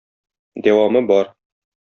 Дәвамы бар.